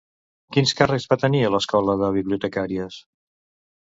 Quins càrrecs va tenir a l'Escola de Bibliotecàries?